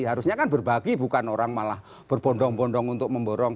harusnya kan berbagi bukan orang malah berbondong bondong untuk memborong